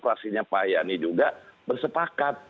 praksinya pak yani juga bersepakat